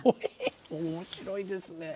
面白いですね。